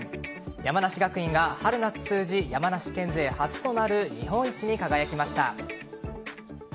山梨学院が春夏通じ山梨県勢初となる日本一に輝きました。